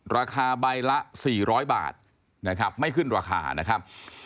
ราคาใบละ๔๐๐บาทนะครับไม่ขึ้นราคานะครับ